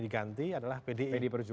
diganti adalah pdi